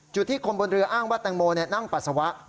ที่คนบนเรืออ้างว่าแตงโมนั่งปัสสาวะ